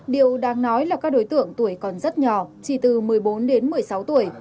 điều đang nói là các đối tượng tuổi còn rất nhỏ chỉ từ một mươi bốn đến một mươi sáu tuổi